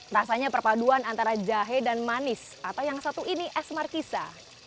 rasanya perpaduan antara jahe dan manis atau yang satu ini es markisa